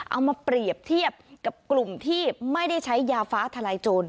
เอามาเปรียบเทียบกับกลุ่มที่ไม่ได้ใช้ยาฟ้าทลายโจร